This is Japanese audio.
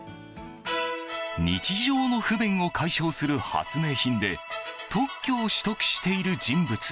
日常の不便を解消する発明品で特許を取得している人物。